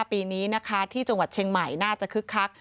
ปีนี้นะคะที่จังหวัดเชียงใหม่น่าจะคึกคัก